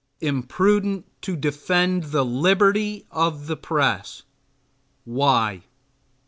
Imprudent to defend the liberty of the press! Why?